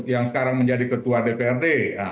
yang sekarang menjadi ketua dprd